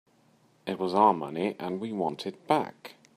It was our money and we want it back.